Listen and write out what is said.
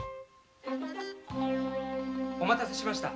お待たせしました。